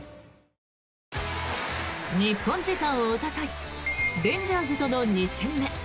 日本時間おとといレンジャーズとの２戦目。